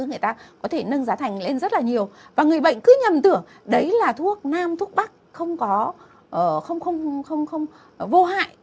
người ta có thể nâng giá thành lên rất là nhiều và người bệnh cứ nhầm tưởng đấy là thuốc nam thuốc bắc không có không vô hại nhưng mà hoàn toàn là không vô hại